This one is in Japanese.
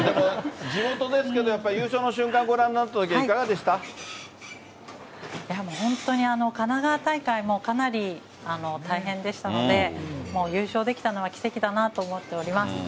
地元ですけれども、やっぱり優勝の瞬間、ご覧になったときは本当に神奈川大会もかなり大変でしたので、もう優勝できたのは奇跡だなと思っております。